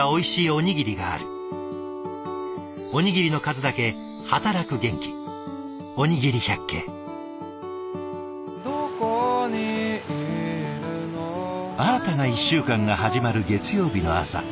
おにぎりの数だけ働く元気新たな１週間が始まる月曜日の朝。